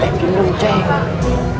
eh gini dong ceng